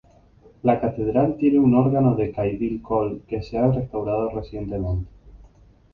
La catedral tiene un órgano de Cavaille-Coll que se ha restaurado recientemente.